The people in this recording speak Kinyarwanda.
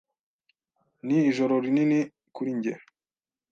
Ni ijoro rinini kuri njye.